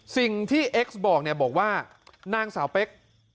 สิ่งที่เอ็กซบอกเนี่ยบอกว่านางสาวเป๊ก